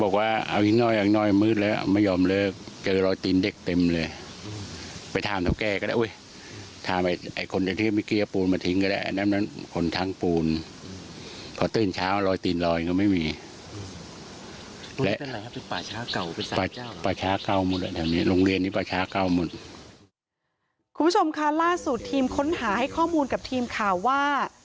คุณผู้ชมค่ะล่าสุดทีมค้นหาให้ข้อมูลกับทีมข่าวว่า